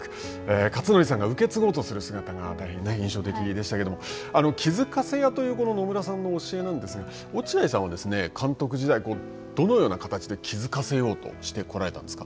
克則さんが受け継ごうとする姿が印象的でしたけれども気づかせ屋という野村さんの教えなんですが、落合さんは監督時代、どのような形で気付かせようとしてこられたんですか。